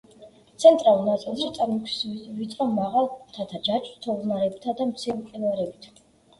ცენტრალურ ნაწილში წარმოქმნის ვიწრო, მაღალ მთათა ჯაჭვს თოვლნარებითა და მცირე მყინვარებით.